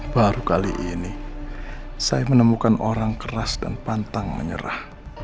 baru kali ini saya menemukan orang keras dan pantang menyerah